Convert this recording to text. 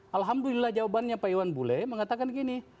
alhamdulillah jawabannya pak iwan bule mengatakan gini